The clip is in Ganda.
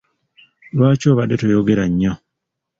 Lwaki obadde toyogera nnyo?